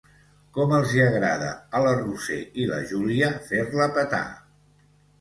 Com els hi agrada a la Roser i la Júlia fer-la petar.